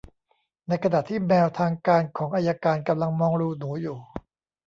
ในขณะที่แมวทางการของอัยการกำลังมองรูหนูอยู่